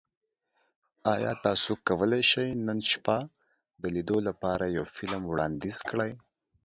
ایا تاسو کولی شئ نن شپه د لیدو لپاره یو فلم وړاندیز کړئ؟